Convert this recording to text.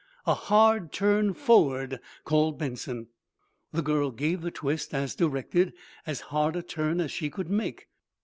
"A hard turn forward," called Benson. The girl gave the twist, as directed, as hard a turn as she could make.